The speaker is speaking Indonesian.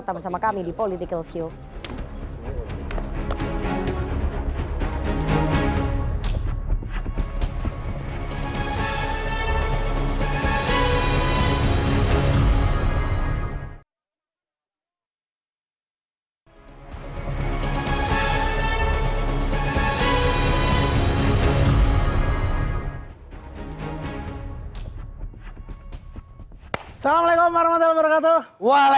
tetap bersama kami di politikil view